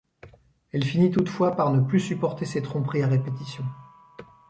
Elle finit, toutefois, par ne plus supporter ses tromperies à répétition.